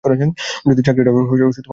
যদি চাকরিটা হয় অনেক উপকার হবে।